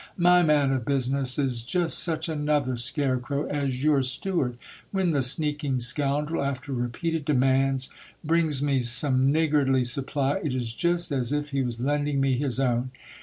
My man of business is just such another scarecrow as your steward. When the sneaking scoundrel, after repeated demands, brings me some niggardly supply, it is just as if he was lending me his own.